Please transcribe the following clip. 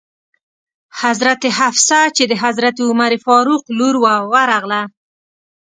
حضرت حفصه چې د حضرت عمر فاروق لور وه ورغله.